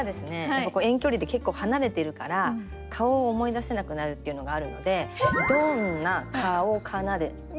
やっぱり遠距離って結構離れてるから顔を思い出せなくなるっていうのがあるのでうそ。